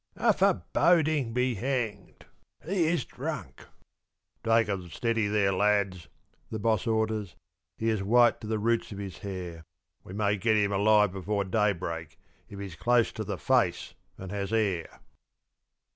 "A foreboding be hanged! He is drunk!" "Take it steady there, lads!" the boss orders. He is white to the roots of his hair. "We may get him alive before daybreak if he's close to the face and has air."